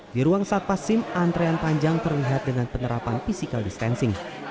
di ruang satpas sim antrean panjang terlihat dengan penerapan physical distancing